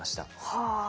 はあ。